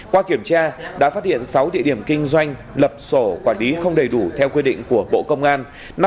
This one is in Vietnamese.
qua kiểm tra đã phát hiện sáu địa điểm kinh doanh lập sổ quản lý không đầy đủ theo quy định của bộ công an